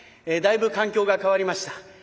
だいぶ環境が変わりました。